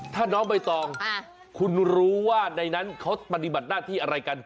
ถ้าน้องใบตองคุณรู้ว่าในนั้นเขาปฏิบัติหน้าที่อะไรกัน